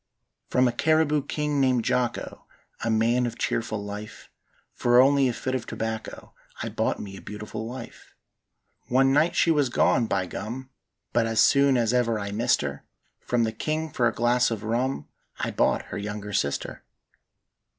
"From a Cariboo king named Jocko, A man of cheerful life, For only a fid of tobacco I bought me a beautiful wife. "One night she was gone, by gum! But as soon as ever I missed her, From the king for a glass of rum I bought her younger sister.